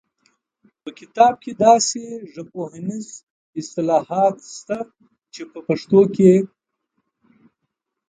په کتاب کې داسې ژبپوهنیز اصطلاحات شته چې په پښتو کې